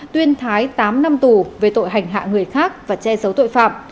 tuyên thái tám năm tù về tội hành hạ người khác và che giấu tội phạm